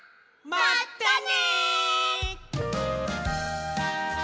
まったね！